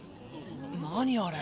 何あれ？